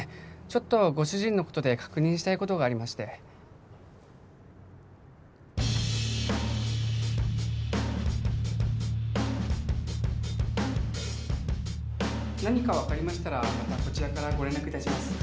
ちょっとご主人のことで確認したいことがありまして何か分かりましたらまたこちらからご連絡いたします